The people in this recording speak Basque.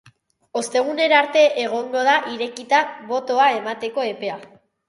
Ostegunera arte egongo da irekita botoa emateko epea.